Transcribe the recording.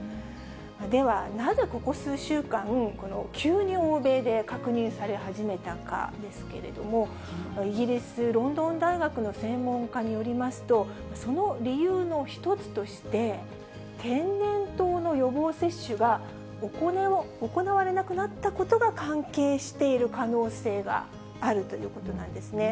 では、なぜここ数週間、急に欧米で確認され始めたかですけれども、イギリス・ロンドン大学の専門家によりますと、その理由の一つとして、天然痘の予防接種が行われなくなったことが関係している可能性があるということなんですね。